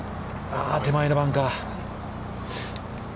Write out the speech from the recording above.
手前のバンカー。